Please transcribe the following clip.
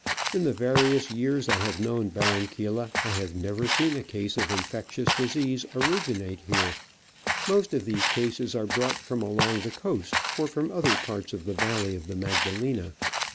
In the various years I have known Barranquilla I have never seen a case of infectious disease originate here. Most of these cases are brought from along the coast or from other parts of the valley of the Magdalena.